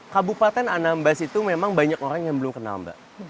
kabupaten anambas itu memang banyak orang yang belum kenal mbak